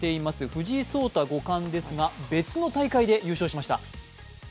藤井聡太五冠ですが別の大会で優勝しました。